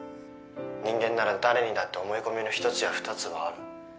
人間なら誰にだって思い込みの一つや二つはある。